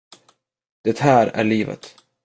Det här är livet.